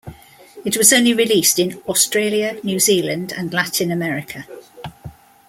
It was only released in Australia, New Zealand and Latin America.